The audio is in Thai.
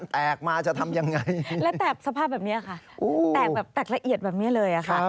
แตกละเอียดแบบนี้เลยค่ะ